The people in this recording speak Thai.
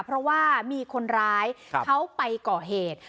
เพราะว่ามีคนร้ายเขาไปก่อเหตุ